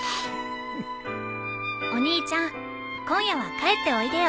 お兄ちゃん今夜は帰っておいでよ。